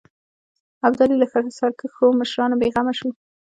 ابدالي له سرکښو مشرانو بېغمه شو.